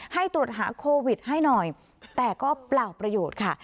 ให้ตรวจหาโควิดให้หน่อยแต่ก็เปล่าประโยชน์ค่ะ